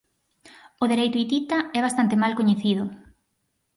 O dereito hitita é bastante mal coñecido.